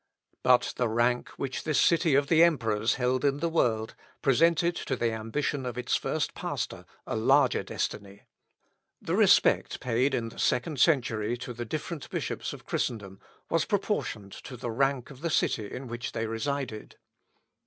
But the rank which this city of the Emperors held in the world, presented to the ambition of its first pastor a larger destiny. The respect paid in the second century to the different bishops of Christendom was proportioned to the rank of the city in which they resided.